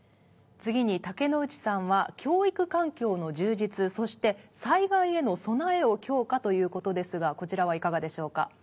次に竹野内さんは「教育環境の充実」そして「災害への備えを強化」という事ですがこちらはいかがでしょうか？